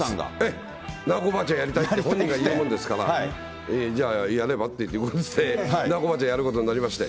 ナオコばあちゃんやりたいって本人が言うもんですから、あ、やればっていって、ナオコばあちゃんやることになりまして。